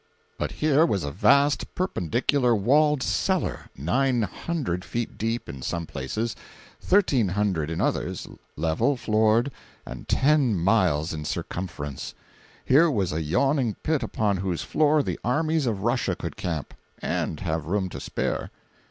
—But here was a vast, perpendicular, walled cellar, nine hundred feet deep in some places, thirteen hundred in others, level floored, and ten miles in circumference! Here was a yawning pit upon whose floor the armies of Russia could camp, and have room to spare.